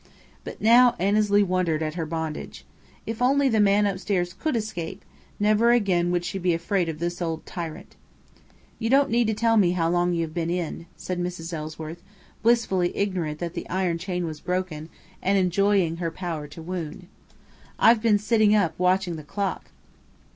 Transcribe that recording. But now Annesley wondered at her bondage. If only the man upstairs could escape, never again would she be afraid of this old tyrant. "You don't need to tell me how long you have been in," said Mrs. Ellsworth, blissfully ignorant that the iron chain was broken, and enjoying her power to wound. "I've been sitting up watching the clock.